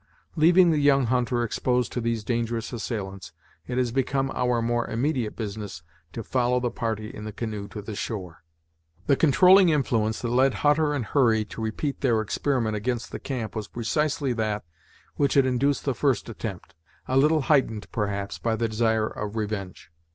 Leaving the young hunter exposed to these dangerous assailants, it has become our more immediate business to follow the party in the canoe to the shore. The controlling influence that led Hutter and Hurry to repeat their experiment against the camp was precisely that which had induced the first attempt, a little heightened, perhaps, by the desire of revenge.